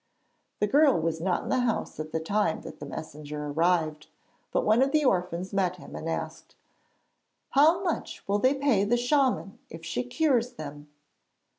The girl was not in the house at the time that the messenger arrived, but one of the orphans met him, and asked: 'How much will they pay the shaman if she cures them?'